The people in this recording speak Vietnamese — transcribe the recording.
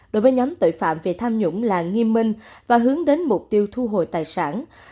đối với nhóm tội phạm về tham nhũng là nghiêm minh và hướng đến mục tiêu thu hồi tài sản